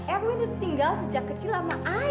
erwin itu tinggal sejak kecil sama ay